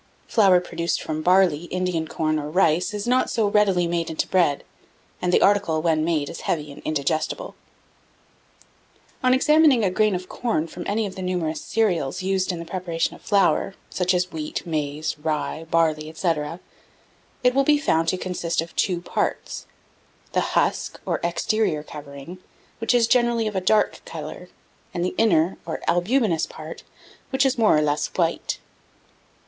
Flour produced from barley, Indian corn, or rice, is not so readily made into bread; and the article, when made, is heavy and indigestible. 1669. On examining a grain of corn from any of the numerous cereals [Footnote: Cereal, a corn producing plant; from Ceres, the goddess of agriculture.] used in the preparation of flour, such as wheat, maize, rye, barley, &c., it will be found to consist of two parts, the husk, or exterior covering, which is generally of a dark colour, and the inner, or albuminous part, which is more or less white.